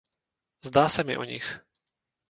Zdá se mi o nich.